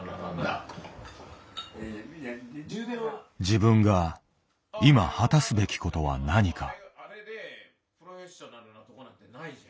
自分が今果たすべきことは何か。